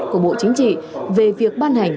của bộ chính trị về việc ban hành